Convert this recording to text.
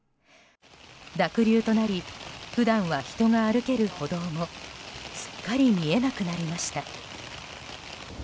濁流となり普段は人が歩ける歩道もすっかり見えなくなりました。